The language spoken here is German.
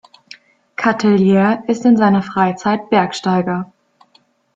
Cartellieri ist in seiner Freizeit Bergsteiger.